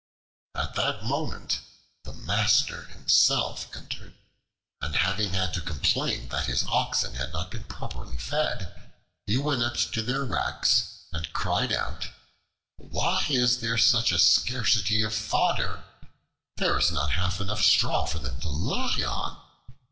At that moment the master himself entered, and having had to complain that his oxen had not been properly fed, he went up to their racks and cried out: "Why is there such a scarcity of fodder? There is not half enough straw for them to lie on.